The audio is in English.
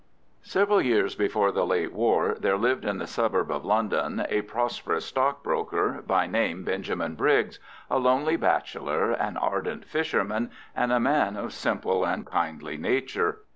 Several years before the late war there lived in the suburbs of London a prosperous stockbroker, by name Benjamin Briggs, a lonely bachelor, an ardent fisherman, and a man of simple and kindly nature.